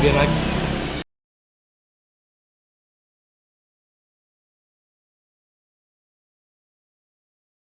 dewa terima kasih banget ya